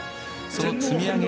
その積み上げ